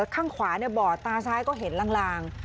ข้างขวาบอดตาซ้ายก็เห็นลาง